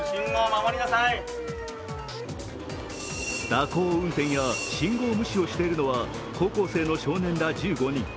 蛇行運転や信号無視をしているのは高校生の少年ら１５人。